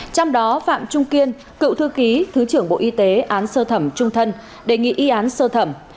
trong đó phạm trung kiên cựu thư ký thứ trưởng bộ y tế án sơ thẩm trung thân đề nghị y án sơ thẩm